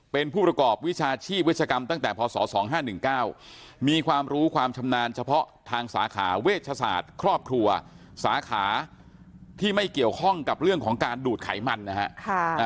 เป็นผู้ประกอบวิชาชีพเวชกรรมตั้งแต่พศ๒๕๑๙มีความรู้ความชำนาญเฉพาะทางสาขาเวชศาสตร์ครอบครัวสาขาที่ไม่เกี่ยวข้องกับเรื่องของการดูดไขมันนะฮะ